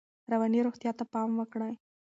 رواني روغتیا ته پام وکړئ.